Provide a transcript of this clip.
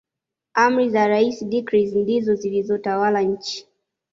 Amri za rais decrees ndizo zilizotawala nchi